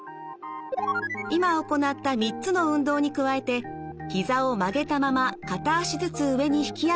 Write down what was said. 今行った３つの運動に加えてひざを曲げたまま片脚ずつ上に引き上げる運動です。